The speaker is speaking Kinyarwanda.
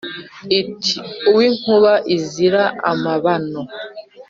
Iti « uw'inkuba izira amabano